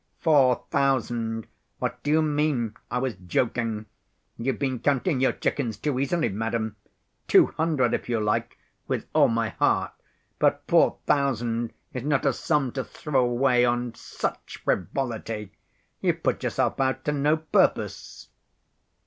" 'Four thousand! What do you mean? I was joking. You've been counting your chickens too easily, madam. Two hundred, if you like, with all my heart. But four thousand is not a sum to throw away on such frivolity. You've put yourself out to no purpose.